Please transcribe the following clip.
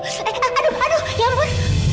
aduh aduh ya ampun